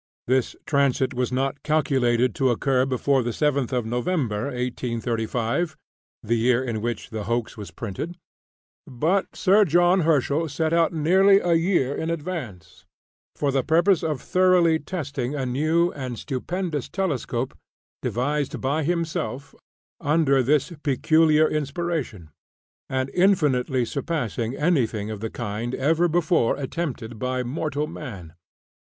This transit was not calculated to occur before the 7th of November, 1835 (the year in which the hoax was printed;) but Sir John Herschel set out nearly a year in advance, for the purpose of thoroughly testing a new and stupendous telescope devised by himself under this peculiar inspiration, and infinitely surpassing anything of the kind ever before attempted by mortal man.